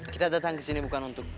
kita datang kesini bukan untuk